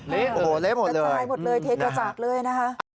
เละหมดเลยนะฮะประจายหมดเลยเทคกระจากเลยนะฮะ